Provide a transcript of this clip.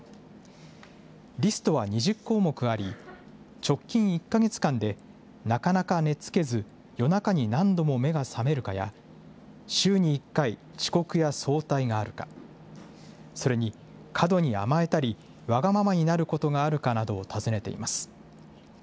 リストは２０項目あり、直近１か月間でなかなか寝つけず、夜中に何度も目が覚めるかや、週に１回、遅刻や早退があるか、それに、過度に甘えたり、わがままになることがあるかなどを尋ねています。